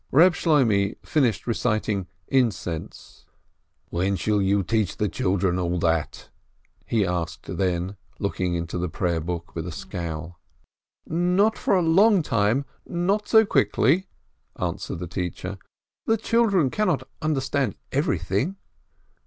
Reb Shloimeh finished reciting "Incense." "When shall you teach the children all that?" he asked then, looking into the prayer book with a scowl. "Not for a long time, not so quickly," answered the teacher. "The children cannot understand everything."